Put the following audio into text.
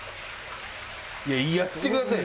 いややってくださいよ！